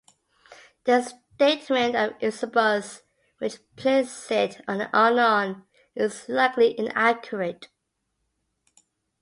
The statement of Eusebius, which places it on the Arnon, is likely inaccurate.